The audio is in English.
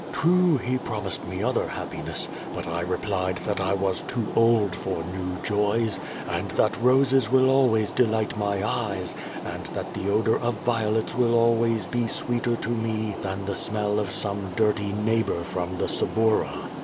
True, he promised me other happiness, but I replied that I was too old for new joys, and that roses will alwaj's delight my eyes, and that the odor of violets will always be sweeter to* me than the smell of some dirty neighbor from the Suburra.